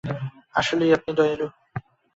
আসলেই আপনি দয়ালু।